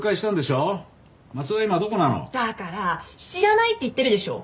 だから知らないって言ってるでしょ！？